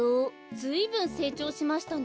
ずいぶんせいちょうしましたね。